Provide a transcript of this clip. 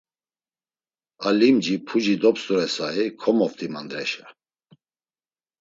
A limci puci dopst̆urusai komoft̆i mandreşa.